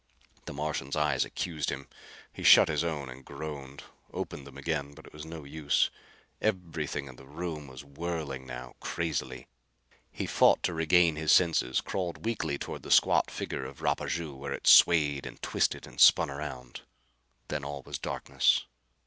The Martian's eyes accused him. He shut his own and groaned. Opened them again. But it was no use. Everything in the room was whirling now, crazily. He fought to regain his senses, crawled weakly toward the squat figure of Rapaju where it swayed and twisted and spun around. Then all was darkness.